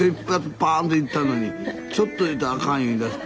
パーンといったのにちょっと入れたらあかん言いだして。